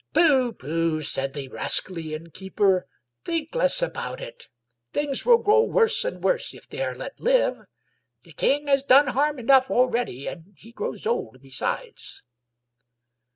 " Pooh pooh !" said that rascally innkeeper. " Think less ^out it. Things will grow worse and worse if they are kt live. The King has done harm enough already* And he grows old besides."